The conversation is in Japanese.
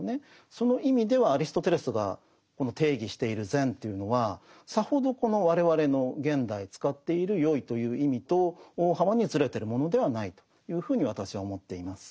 その意味ではアリストテレスがこの定義している善というのはさほどこの我々の現代使っているよいという意味と大幅にずれてるものではないというふうに私は思っています。